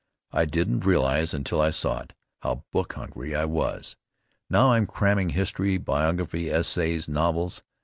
I didn't realize, until I saw it, how book hungry I was. Now I'm cramming history, biography, essays, novels.